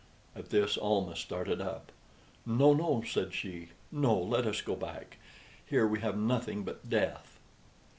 At this Almah started up. "No, no," said she "no; let us go back. Here we have nothing but death."